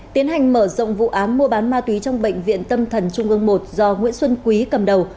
tiến hành mở rộng vụ án mua bán ma túy trong bệnh viện tâm thần trung ương một do nguyễn xuân quý cầm đầu